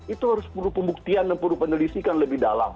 itu harus perlu pembuktian dan perlu penelitikan lebih dalam